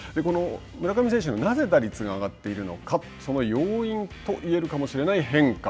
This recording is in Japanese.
村上選手の打率がなぜ上がっているのかその要因といえるかもしれない変化。